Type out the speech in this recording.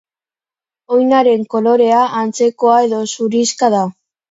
Oinaren kolorea antzekoa edo zurixka da.